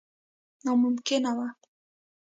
ناممکنه وه.